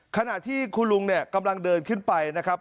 ขณะที่คุณลุงเนี่ยกำลังเดินขึ้นไปนะครับ